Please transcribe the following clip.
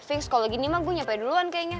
fix kalau gini mah gue nyampe duluan kayaknya